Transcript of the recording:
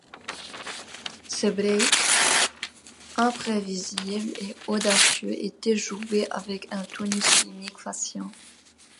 Ses breaks imprévisibles et audacieux étaient joués avec un tonus rythmique fascinant.